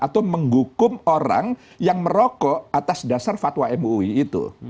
atau menghukum orang yang merokok atas dasar fatwa mui itu